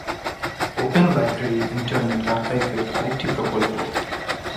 Open library internet আর্কাইভের আর একটি প্রকল্প।